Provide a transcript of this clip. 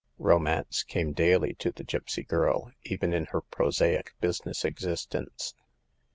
Romance came daily to the gipsy girl, even in her prosaic business existence.